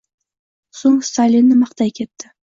So’ng Stalinni maqtay ketdi.